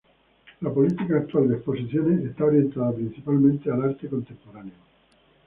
La política actual de exposiciones está orientada principalmente al arte contemporáneo.